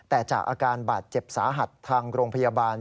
แต่จากอาการบาดเจ็บสาหัสทางโรงพยาบาล